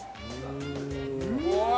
うわ。